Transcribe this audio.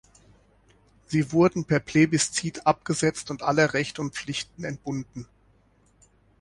Sie wurden per Plebiszit abgesetzt und aller Rechte und Pflichten entbunden.